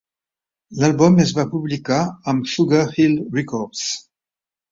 L'àlbum es va publicar amb Sugar Hill Records.